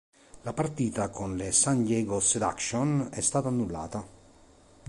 La partita con le San Diego Seduction è stata annullata.